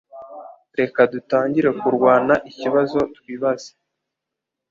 Reka dutangire kurwana ikibazo twibaza